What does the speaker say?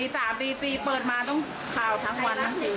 ตี๓ตีเปิดมาต้องข่าวทั้งวัน